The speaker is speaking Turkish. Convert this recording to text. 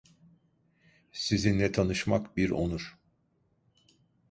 Sizinle tanışmak bir onur.